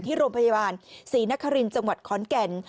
ที่โรงพยาบาลศรีนครินทร์จังหวัดขอนแก่น